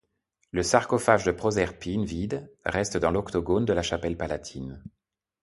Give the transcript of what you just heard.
Le sarcophage de Proserpine, vide, reste dans l'octogone de la chapelle palatine.